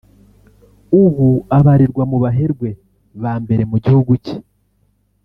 ubu abarirwa mu baherwe ba mbere mu gihugu cye